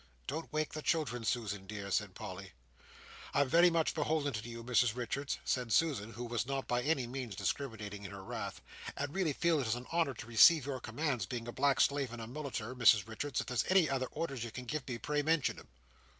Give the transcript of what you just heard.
"Don't wake the children, Susan dear," said Polly. "I'm very much beholden to you, Mrs Richards," said Susan, who was not by any means discriminating in her wrath, "and really feel it as a honour to receive your commands, being a black slave and a mulotter. Mrs Richards, if there's any other orders, you can give me, pray mention 'em."